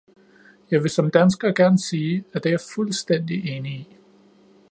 Jeg vil som dansker gerne sige, at det er jeg fuldstændig enig i.